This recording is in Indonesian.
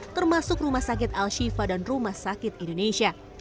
termasuk rumah sakit al shifa dan rumah sakit indonesia